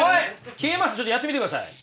消えますちょっとやってみてください。